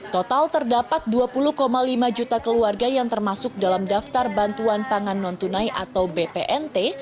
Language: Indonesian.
total terdapat dua puluh lima juta keluarga yang termasuk dalam daftar bantuan pangan non tunai atau bpnt